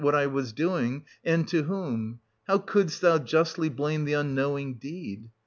97 what I was doing, and to whom, — how couldst thou justly blame the unknowing deed?